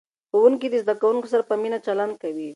ښوونکي د زده کوونکو سره په مینه چلند کوي.